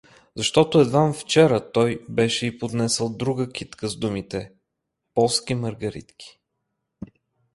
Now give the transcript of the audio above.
Защото едвам вчера той беше й поднесъл друга китка с думите: — Полски маргаритки.